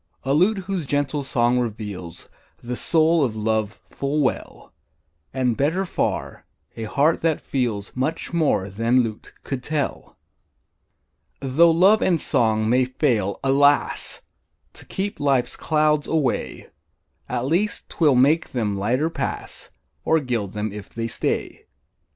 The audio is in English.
A lute whose gentle song reveals The soul of love full well; And, better far, a heart that feels Much more than lute could tell. Tho' love and song may fail, alas! To keep life's clouds away, At least 'twill make them lighter pass, Or gild them if they stay.